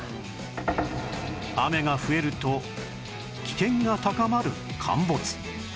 雨が増えると危険が高まる陥没